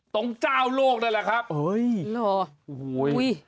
ตรงเจ้าโลกนั่นแหละครับโอ้ยเหรอโอ้ย